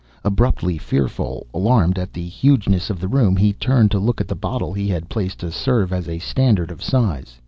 Abruptly fearful, alarmed at the hugeness of the room, he turned to look at the bottle he had placed to serve as a standard of size.